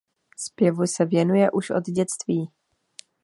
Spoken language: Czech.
Zpěvu se věnuje už od dětství.